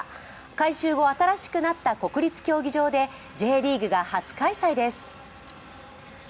改修後新しくなった国立競技場でＪリーグが初開催です。